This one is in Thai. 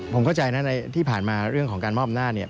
ผมเข้าใจนะที่ผ่านมาเรื่องของการมอบอำนาจเนี่ย